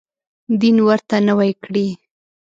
دین ورته نوی کړي.